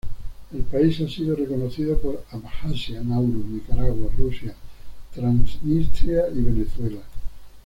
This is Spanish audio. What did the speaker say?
El país ha sido reconocido por Abjasia, Nauru, Nicaragua, Rusia, Transnistria, y Venezuela.